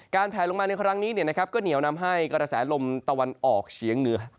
แผลลงมาในครั้งนี้ก็เหนียวนำให้กระแสลมตะวันออกเฉียงเหนือ